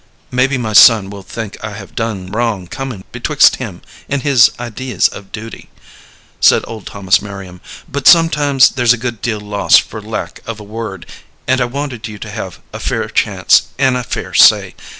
"Maybe my son will think I have done wrong coming betwixt him and his idees of duty," said old Thomas Merriam, "but sometimes there's a good deal lost for lack of a word, and I wanted you to have a fair chance an' a fair say.